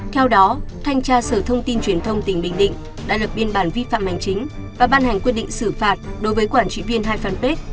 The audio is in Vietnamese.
theo đó thanh tra sở thông tin truyền thông tỉnh bình định đã lập biên bản vi phạm hành chính và ban hành quyết định xử phạt đối với quản trị viên hai fanpage